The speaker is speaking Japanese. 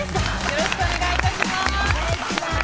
よろしくお願いします。